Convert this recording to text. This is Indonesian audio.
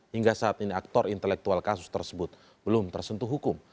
hingga saat ini aktor intelektual kasus tersebut belum tersentuh hukum